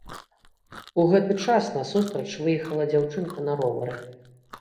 У гэты час насустрач выехала дзяўчынка на ровары.